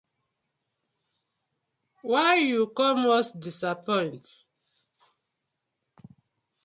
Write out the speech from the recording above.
Wai you come us disappoint?